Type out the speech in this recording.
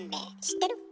知ってる？